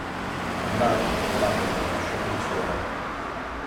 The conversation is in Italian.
Andatevene, andatevene, lasciatemi sola.